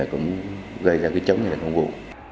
cũng gây ra chống người thi hành công vụ